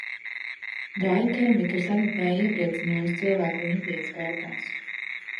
Daiļa keramika ir senatnē iepriecinājusi cilvēku viņa ikdienas gaitās.